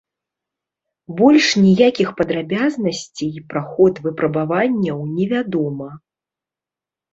Больш ніякіх падрабязнасцей пра ход выпрабаванняў невядома.